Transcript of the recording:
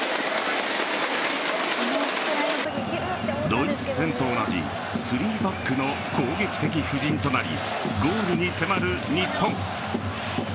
ドイツ戦と同じ３バックの攻撃的布陣となりゴールに迫る日本。